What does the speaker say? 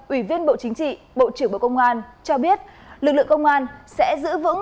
ủy viên bộ chính trị bộ trưởng bộ công an cho biết lực lượng công an sẽ giữ vững